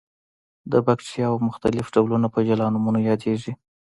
د باکتریاوو مختلف ډولونه په جلا نومونو یادیږي.